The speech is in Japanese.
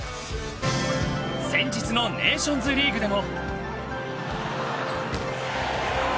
先日のネーションズリーグでも。